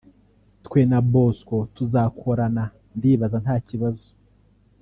twe na Bosco tuzakorana ndibaza ntakibazo